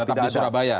tetap di surabaya